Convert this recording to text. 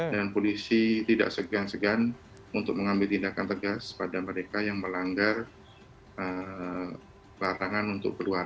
dan polisi tidak segan segan untuk mengambil tindakan tegas pada mereka yang melanggar barangan untuk keluar